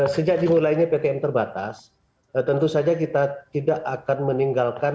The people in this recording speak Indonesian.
sejak dimulainya ptm terbatas tentu saja kita tidak akan meninggalkan